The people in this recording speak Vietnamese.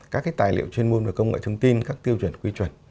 các tài liệu chuyên môn về công nghệ thông tin các tiêu chuẩn quy chuẩn